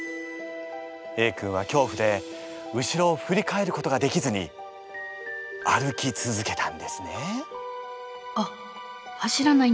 Ａ君はきょうふで後ろをふり返ることができずに歩き続けたんですね。